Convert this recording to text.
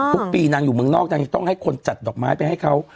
ทุกปีนางอยู่เมืองนอกนางจะต้องให้คนจัดดอกไม้ไปให้เขา